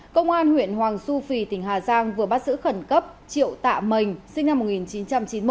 công an huyện hoàng su phi tỉnh hà giang vừa bắt giữ khẩn cấp triệu tạ mình sinh năm một nghìn chín trăm chín mươi